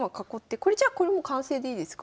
これじゃあこれもう完成でいいですか？